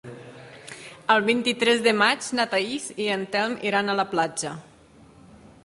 El vint-i-tres de maig na Thaís i en Telm iran a la platja.